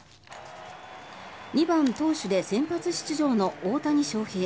２番投手で先発出場の大谷翔平。